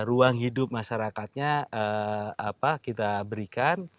ruang hidup masyarakatnya kita berikan